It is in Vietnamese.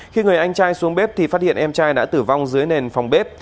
khi người anh trai xuống bếp thì phát hiện em trai đã tử vong dưới nền phòng bếp